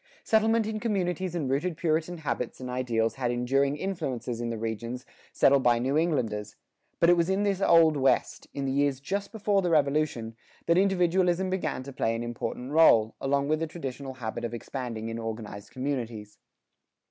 Settlement in communities and rooted Puritan habits and ideals had enduring influences in the regions settled by New Englanders; but it was in this Old West, in the years just before the Revolution, that individualism began to play an important rôle, along with the traditional habit of expanding in organized communities.